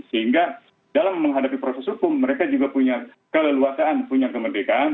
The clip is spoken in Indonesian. sehingga dalam menghadapi proses hukum mereka juga punya keleluasaan punya kemerdekaan